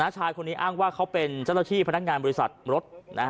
ชายคนนี้อ้างว่าเขาเป็นเจ้าหน้าที่พนักงานบริษัทรถ